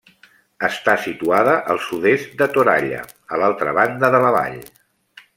Està situada al sud-est de Toralla, a l'altra banda de la vall.